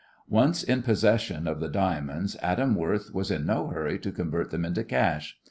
Once in possession of the diamonds Adam Worth was in no hurry to convert them into cash.